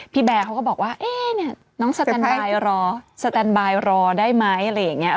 พี่แบร์เขาก็บอกว่าเนี่ยน้องสแตนบายรอสแตนบายรอได้ไหม